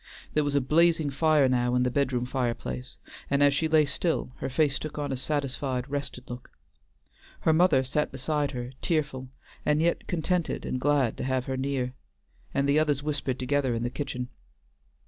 There was a blazing fire now in the bedroom fire place, and, as she lay still, her face took on a satisfied, rested look. Her mother sat beside her, tearful, and yet contented and glad to have her near, and the others whispered together in the kitchen.